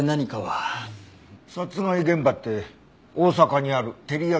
殺害現場って大阪にあるテリヤ